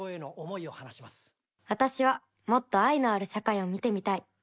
私はもっと愛のある社会を見てみたい。